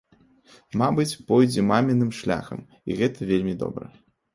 Мабыць, пойдзе маміным шляхам, і гэта вельмі добра.